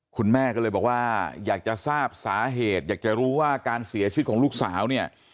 คุณแม่ก็เลยบอกว่าอยากจะทราบสาเหตุอยากจะรู้ว่าการเสียชีวิตของลูกสาวเนี่ย